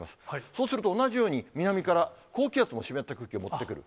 そうすると同じように、南から高気圧も湿った空気を持ってくる。